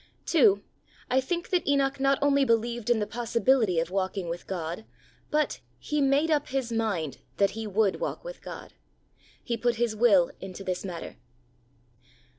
II. I think that Enoch not only believed in the possibility of walking with God, but he made up his mind that he would walk with God. He put his will into this matter.